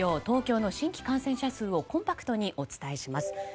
東京の新規感染者数をコンパクトにお伝えします。